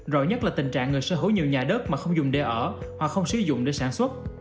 rõ nhất là tình trạng người sở hữu nhiều nhà đất mà không dùng để ở hoặc không sử dụng để sản xuất